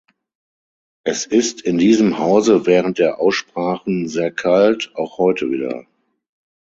Es ist in diesem Hause während der Aussprachen sehr kalt, auch heute wieder.